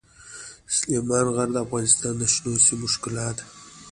سلیمان غر د افغانستان د شنو سیمو ښکلا ده.